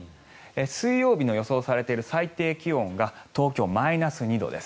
水曜日の予想されている最低気温が東京、マイナス２度です。